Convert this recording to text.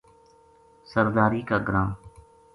سرداری کا گراں